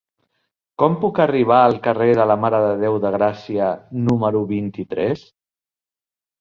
Com puc arribar al carrer de la Mare de Déu de Gràcia número vint-i-tres?